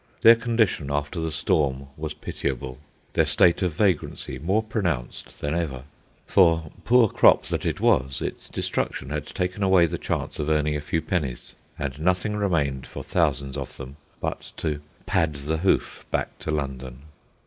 Their condition after the storm was pitiable, their state of vagrancy more pronounced than ever; for, poor crop that it was, its destruction had taken away the chance of earning a few pennies, and nothing remained for thousands of them but to "pad the hoof" back to London.